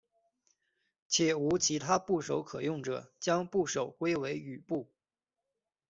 且无其他部首可用者将部首归为羽部。